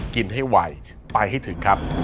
กินให้ไวไปให้ถึงครับ